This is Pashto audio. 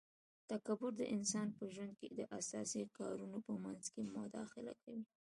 تکبر د انسان په ژوند کي د اساسي کارونو په منځ کي مداخله کوي